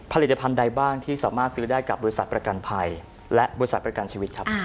ผลิตภัณฑ์ใดบ้างที่สามารถซื้อได้กับบริษัทประกันภัยและบริษัทประกันชีวิตครับ